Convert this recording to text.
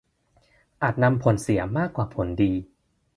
อาจนำผลเสียมากกว่าผลดี